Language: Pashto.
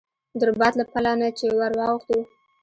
د رباط له پله نه چې ور واوښتو.